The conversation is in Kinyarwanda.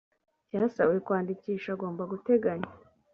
cyasabiwe kwandikishwa agomba guteganya